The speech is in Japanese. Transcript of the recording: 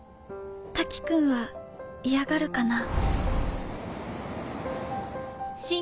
瀧くんは嫌がるかな。